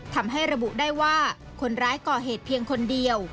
ทำให้ระบุได้ว่าคนร้ายก่อเหตุเพียงคนเดียว